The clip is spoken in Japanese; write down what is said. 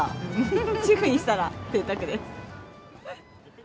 主婦にしたらぜいたくです。